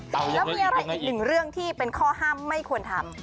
แล้วมีอะไรอีกหนึ่งเรื่องที่เป็นข้อห้ามไม่ควรทำ